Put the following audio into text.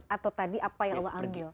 atau tadi apa yang allah ambil